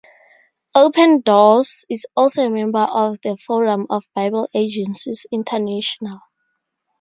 Open Doors is also a member of the Forum of Bible Agencies International.